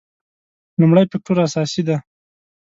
لومړی فکټور اساسي دی.